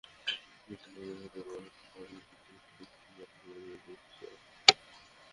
একটা মজার ব্যাপার হলো, মা–ইলিশগুলো প্রজননের সময় সাধারণত বাংলাদেশের মেঘনা নদীতে প্রবেশ করে।